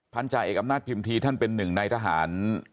จ่าเอกอำนาจพิมพีท่านเป็นหนึ่งในทหาร